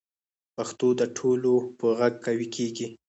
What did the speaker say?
پښتو د ټولو په غږ قوي کېږي.